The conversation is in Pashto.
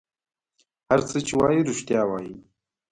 هر څه چې وایي رېښتیا وایي.